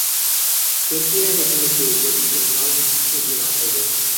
تۈركىيە ھۆكۈمىتى يەتتە كۈن ھازا تۇتۇشنى ئېلان قىلدى.